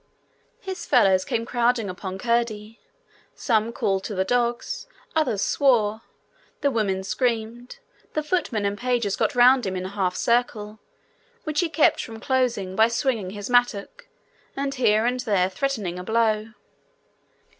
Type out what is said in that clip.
His fellows came crowding upon Curdie. Some called to the dogs; others swore; the women screamed; the footmen and pages got round him in a half circle, which he kept from closing by swinging his mattock, and here and there threatening a blow.